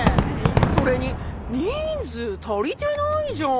それに人数足りてないじゃん。